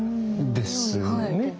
ですよね。